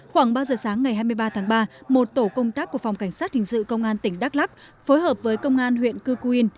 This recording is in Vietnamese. khoảng ba giờ sáng ngày hai mươi ba tháng ba một tổ công tác của phòng cảnh sát hình sự công an tỉnh đắk lắc phối hợp với công an huyện cư cu yên